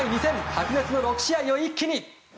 白熱の６試合を一気に！